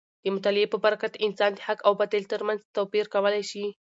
د مطالعې په برکت انسان د حق او باطل تر منځ توپیر کولی شي.